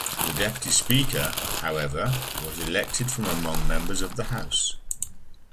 The Deputy Speaker, however, was elected from among members of the House.